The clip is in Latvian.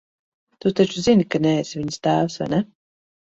Tu taču zini, ka neesi viņas tēvs, vai ne?